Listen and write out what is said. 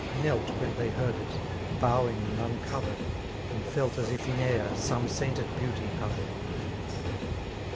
Knelt when they beard it^ bowing and uncoveied,; And felt as if in air some sainted beauty hovered*